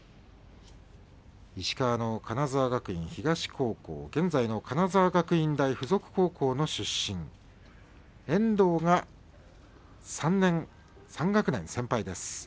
石川の金沢学院東高校現在の金沢学院大附属高校の出身遠藤が３学年先輩です。